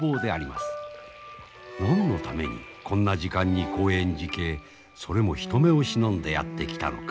何のためにこんな時間に興園寺家へそれも人目を忍んでやって来たのか。